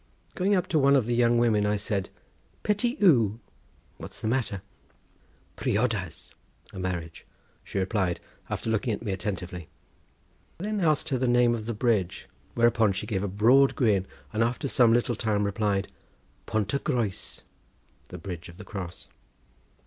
Going up to one of the young women I said, "Peth yw? what's the matter?" "Priodas (a marriage)," she replied, after looking at me attentively. I then asked her the name of the bridge, whereupon she gave a broad grin, and after some little time replied: "Pont y Groes; (the bridge of the cross)."